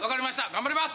頑張ります！